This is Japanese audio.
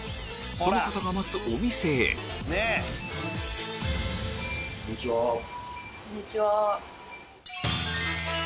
その方が待つお店へこんにちは。